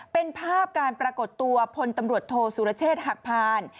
เป็นภาพการปรากฏตัวพลตำรวจโทสุรเชษฐ์หักพาน